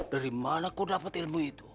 dari mana kau dapat ilmu itu